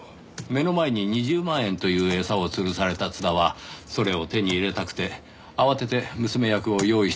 目の前に２０万円という餌をつるされた津田はそれを手に入れたくて慌てて娘役を用意したのでしょうねぇ。